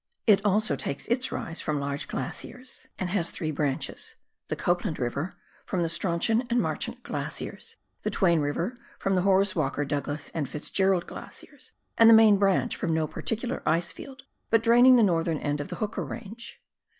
It also takes its rise from large glaciers, and has 6 PIONEER WORK IN THE ALPS OF NEW ZEALAND. three branches — the Copland River, from the Strauchon and Marchant glaciers, the Twain River, from the Horace "Walker, Douglas, and Fitz Gerald glaciers, and the main branch from no particular ice field, but draining the northern end of the Hooker range.